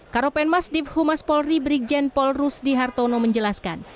karopenmas div humas polri brigjen polrus dihartono menjelaskan